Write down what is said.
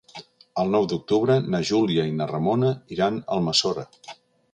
El nou d'octubre na Júlia i na Ramona iran a Almassora.